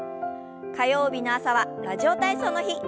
火曜日の朝は「ラジオ体操」の日。